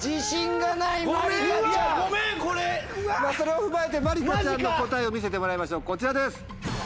それを踏まえてまりかちゃんの答えを見せてもらいましょうこちらです。